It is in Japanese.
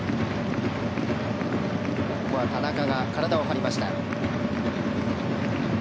ここは田中が体を張りました。